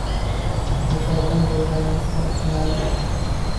Befarzand bo`lganimizda ham tushunardim